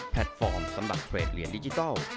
ฟอร์มสำหรับเทรดเหรียญดิจิทัล